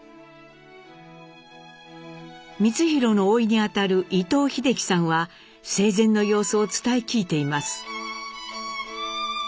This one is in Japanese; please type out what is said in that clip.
光宏のおいにあたる伊藤秀樹さんは生前の様子を伝え聞いています。